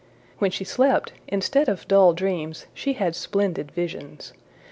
When she slept, instead of dull dreams, she had splendid visions.